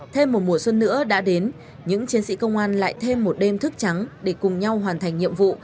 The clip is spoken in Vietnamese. thêm một mùa xuân nữa đã đến những chiến sĩ công an lại thêm một đêm thức trắng để cùng nhau hoàn thành nhiệm vụ